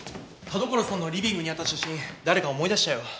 田所さんのリビングにあった写真誰か思い出したよ。